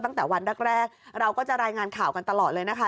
ตั้งแต่วันแรกเราก็จะรายงานข่าวกันตลอดเลยนะคะ